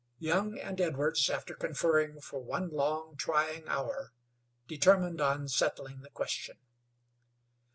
Young and Edwards, after conferring for one long, trying hour, determined on settling the question.